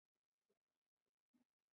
其窗之建材多采台北当地砂岩。